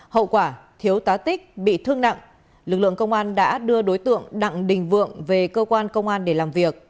hậu quả thiếu tá tích bị thương nặng lực lượng công an đã đưa đối tượng đặng đình vượng về cơ quan công an để làm việc